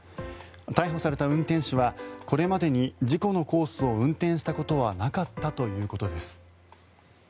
逮捕された運転手はこれまでに事故のコースを運転したことはなかったということです。